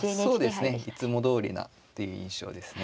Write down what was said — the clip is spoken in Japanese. そうですねいつもどおりなっていう印象ですね。